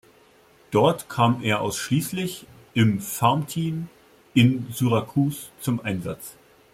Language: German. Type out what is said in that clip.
Dort kam er ausschließlich im Farmteam in Syracuse zum Einsatz.